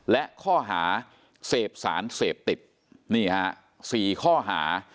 และข้อหาเสพสารเสพติดนี่ฮะ๔ข้อหา